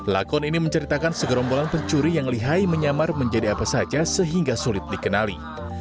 lakon ini menceritakan segerombolan pencuri yang lihai menyamar menjadi apa saja sehingga sulit dikenali